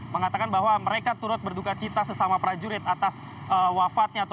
mengatakan bahwa mereka turut berduka cita sesama prajurit atas wafatnya